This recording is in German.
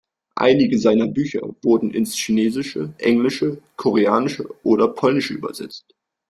Einige seiner Bücher wurden ins Chinesische, Englische, Koreanische oder Polnische übersetzt.